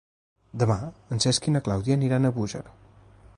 Demà en Cesc i na Clàudia aniran a Búger.